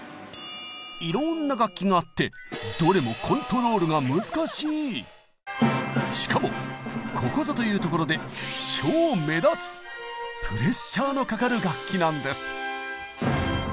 いろんな楽器があってどれもしかもここぞというところでプレッシャーのかかる楽器なんです。